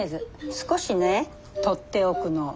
少しね取っておくの。